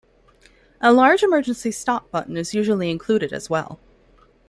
A large emergency stop button is usually included as well.